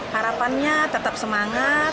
harapannya tetap semangat